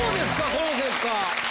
この結果。